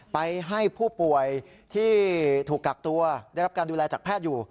ไปให้ผู้ป่วยที่ถูกกักตัวได้รับการดูแลจากแพทย์อยู่